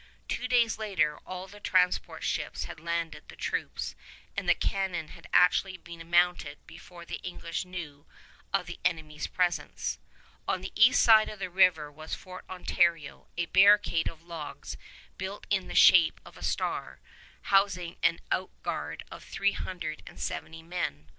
Two days later all the transport ships had landed the troops and the cannon had actually been mounted before the English knew of the enemy's presence. On the east side of the river was Fort Ontario, a barricade of logs built in the shape of a star, housing an outguard of three hundred and seventy men.